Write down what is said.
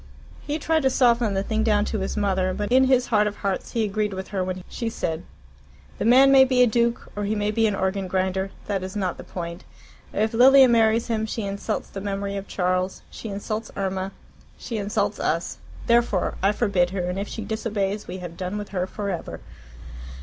He tried to soften the thing down to his mother, but in his heart of hearts he agreed with her when she said, "The man may be a duke or he may be an organ grinder. That is not the point. If Lilia marries him she insults the memory of Charles, she insults Irma, she insults us. Therefore I forbid her, and if she disobeys we have done with her for ever."